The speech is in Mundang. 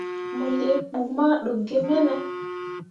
Mo lii kpu ma ɗokki ge mene ?